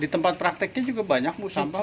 di tempat prakteknya juga banyak bu sampah